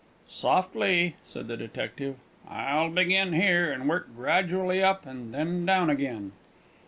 "Softly," said the detective. "I'll begin here, and work gradually up, and then down again."